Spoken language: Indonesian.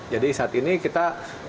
jadi saat ini kita